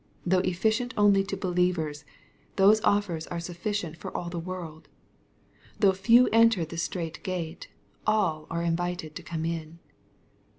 Though efficient only to believers, those offers are sufficient for all the world. Though few enter the strait gate, all are invited to come in.